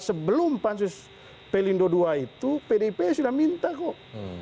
sebelum pansus pelindo ii itu pdip sudah minta kok